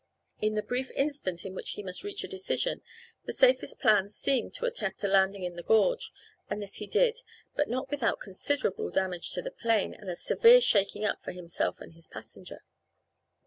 In the brief instant in which he must reach a decision, the safest plan seemed to attempt a landing in the gorge, and this he did, but not without considerable damage to the plane and a severe shaking up for himself and his passenger.